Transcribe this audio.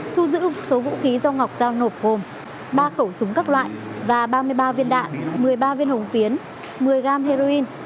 thu giữ số vũ khí do ngọc giao nộp gồm ba khẩu súng các loại và ba mươi ba viên đạn một mươi ba viên hồng phiến một mươi gam heroin